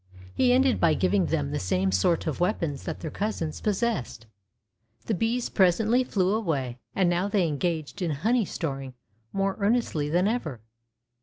He ended by giving them the same sort of weapons that their cousins possessed. The bees presently flew away, and now they engaged in honey storing more earnestly then ever.